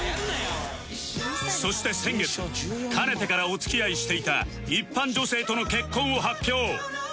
そして先月かねてからお付き合いしていた一般女性との結婚を発表！